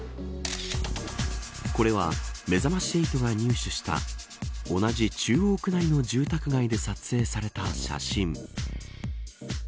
これは、めざまし８が入手した同じ中央区内の住宅街で撮影された写真。